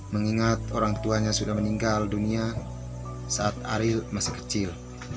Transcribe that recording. mengingat orang tuanya sudah meninggal dunia saat ariel masih kecil